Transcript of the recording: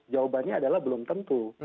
jawabannya adalah belum tentu